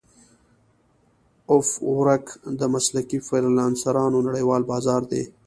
افورک د مسلکي فریلانسرانو نړیوال بازار دی.